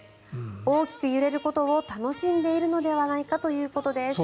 大きく揺れることを楽しんでいるのではないかということです。